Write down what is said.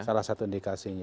salah satu indikasinya